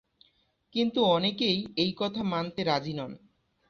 কিন্তু অনেকেই এই কথা মানতে রাজি নন।